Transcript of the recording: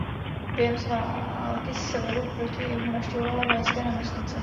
Během války Severu proti Jihu navštěvovala vojenské nemocnice.